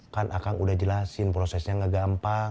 kan akang udah jelasin prosesnya nggak gampang